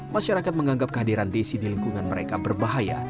masyarakat menganggap kehadiran desi di lingkungan mereka berbahaya